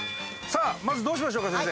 まず、どうしましょうか。